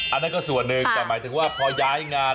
อันนั้นก็ส่วนหนึ่งแต่หมายถึงว่าพอย้ายงาน